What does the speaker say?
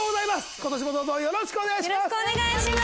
今年もどうぞよろしくお願いします。